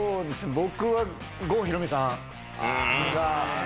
僕は郷ひろみさんが。